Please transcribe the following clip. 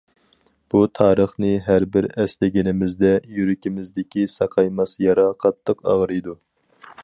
بۇ تارىخنى ھەر بىر ئەسلىگىنىمىزدە، يۈرىكىمىزدىكى ساقايماس يارا قاتتىق ئاغرىيدۇ.